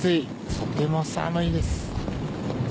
とても寒いです。